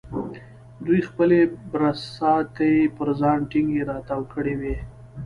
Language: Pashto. دوی خپلې برساتۍ پر ځان ټینګې را تاو کړې وې.